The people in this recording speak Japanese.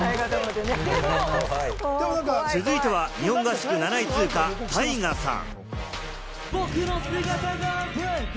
続いては日本合宿７位通過、タイガさん。